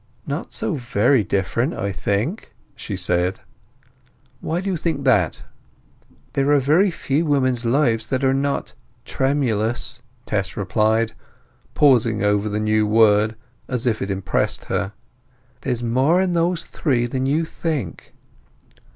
"Not so very different, I think," she said. "Why do you think that?" "There are very few women's lives that are not—tremulous," Tess replied, pausing over the new word as if it impressed her. "There's more in those three than you think."